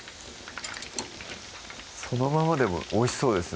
そのままでもおいしそうですね